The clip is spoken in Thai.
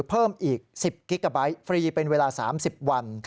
เพิ่มอีก๑๐กิกาไบท์ฟรีเป็นเวลา๓๐วัน